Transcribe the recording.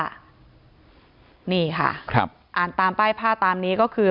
ขึ้นป้ายภาพนี่ค่ะอ่านตามป้ายภาพตามนี้ก็คือ